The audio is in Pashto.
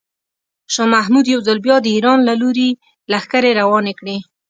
شاه محمود یو ځل بیا د ایران په لوري لښکرې روانې کړې.